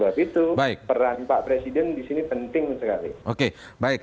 peran pak presiden disini penting sekali